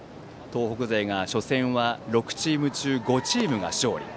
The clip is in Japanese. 東北勢が初戦は６チーム中５チームが勝利。